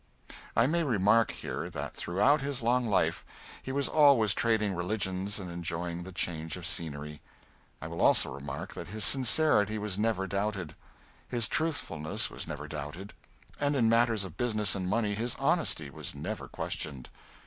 I may remark here that throughout his long life he was always trading religions and enjoying the change of scenery. I will also remark that his sincerity was never doubted; his truthfulness was never doubted; and in matters of business and money his honesty was never questioned.